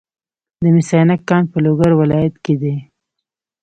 د مس عینک کان په لوګر ولایت کې دی.